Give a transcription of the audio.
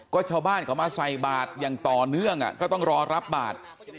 ก็ชาวบ้านเขามาใส่บาทอย่างต่อเนื่องก็ต้องรอรับบาท